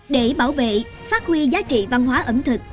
để bảo vệ phát huy giá trị văn hóa ẩm thực